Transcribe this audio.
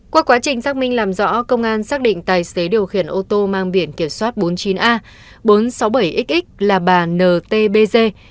qua quá trình xác minh làm rõ công an xác định tài xế điều khiển ô tô mang biển kiểm soát bốn mươi chín a bốn trăm sáu mươi bảy x là bà ntg